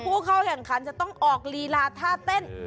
ผู้เข้าแข่งขันจะต้องออกลีลาท่าเต้น